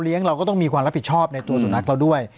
เราก็ต้องมีความรับผิดชอบในตัวสุนัขเราด้วย